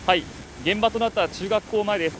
現場となった中学校前です